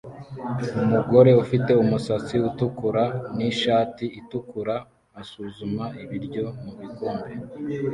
Umugore ufite umusatsi utukura nishati itukura asuzuma ibiryo mubikombe